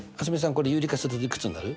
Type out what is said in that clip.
これ有利化するといくつになる？